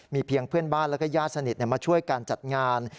เพียงเพื่อนบ้านแล้วก็ญาติสนิทมาช่วยการจัดงาน